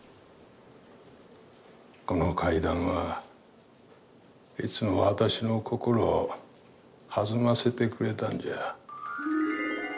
この階段はいつも私の心を弾ませてくれたんじゃ。